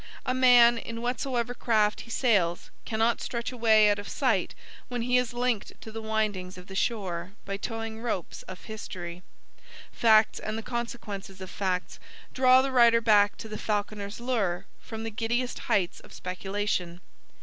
A man, in whatsoever craft he sails, cannot stretch away out of sight when he is linked to the windings of the shore by towing ropes of history. Facts, and the consequences of facts, draw the writer back to the falconer's lure from the giddiest heights of speculation.